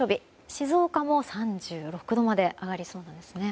静岡も３６度まで上がりそうなんですね。